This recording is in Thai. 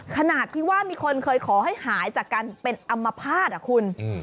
ขนาดที่ว่ามีคนเคยขอให้หายจากการเป็นอัมพาตอ่ะคุณ